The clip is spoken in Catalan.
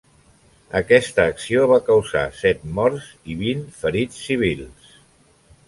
Aquesta acció va causar set morts i vint ferits civils.